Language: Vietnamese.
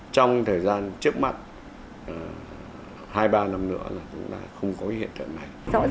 trong thời gian trước mắt hai ba năm nữa là chúng ta không có cái hiện tượng này